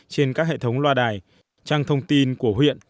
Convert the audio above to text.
trên các hệ thống loa đài trang thông tin của huyện